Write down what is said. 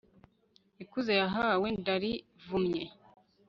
ikuzo yahahwe ndarivumye